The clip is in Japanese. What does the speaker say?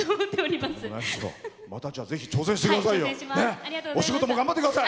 また挑戦してくださいよ。